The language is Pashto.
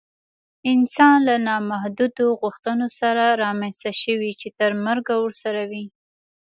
انسان له نامحدودو غوښتنو سره رامنځته شوی چې تر مرګه ورسره وي